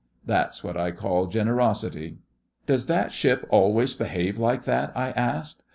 That's what I call generosity.' 'Does that ship always behave like that?' I asked.